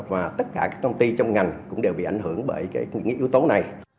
và tất cả các công ty trong ngành cũng đều bị ảnh hưởng bởi yếu tố này